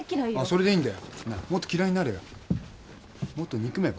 それでいいもっと嫌いになれよもっと憎めば？